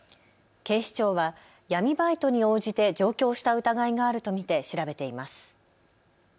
警視庁は闇バイトに応じて上京した疑いがあると見て調べています。